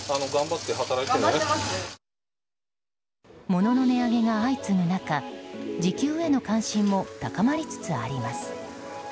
物の値上げが相次ぐ中時給への関心も高まりつつあります。